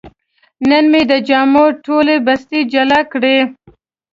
نن مې د جامو ټولې بستې جلا کړې.